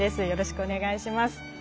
よろしくお願いします。